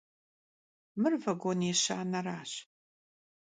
Mır vagon yêşaneraş.